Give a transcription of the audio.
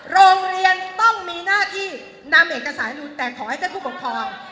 โรงเรียนต้องมีหน้าที่นำเอกสารนุนแต่ขอให้ท่านผู้ปกครอง